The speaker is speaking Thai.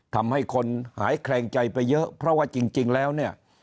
ทำให้คนหายแคลงใจไปเยอะเพราะว่าจริงแล้วเนี่ย